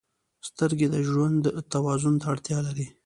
• سترګې د ژوند توازن ته اړتیا لري.